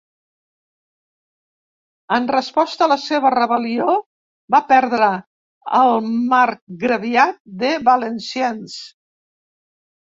En resposta a la seva rebel·lió va perdre el marcgraviat de Valenciennes.